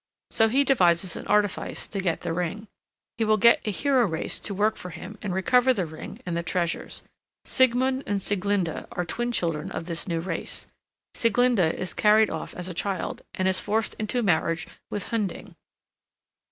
So he devises an artifice to get the ring. He will get a hero race to work for him and recover the ring and the treasures. Siegmund and Sieglinda are twin children of this new race. Sieglinda is carried off as a child and is forced into marriage with Hunding.